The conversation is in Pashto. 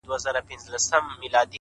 چي ته نه يې زما په ژونــــد كــــــي ـ